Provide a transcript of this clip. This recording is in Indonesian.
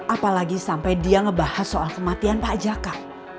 apalagi sampai dia ngebahas soal kematian pak jaka